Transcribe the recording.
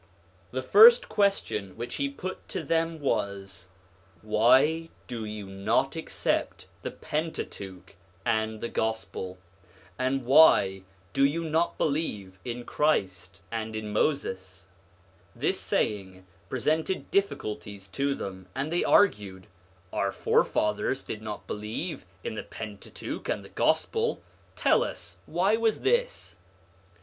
The first question which he put to them was :' Why do you not accept the Pentateuch and the Gospel, and why do you not believe in Christ and in Moses ?' This saying presented difficulties to them, and they argued :' Our forefathers did not believe in the Pentateuch and the Gospel: tell us, why was this?'